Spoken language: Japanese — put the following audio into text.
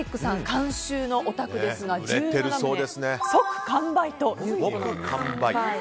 監修のお宅ですが１７棟即完売ということなんです。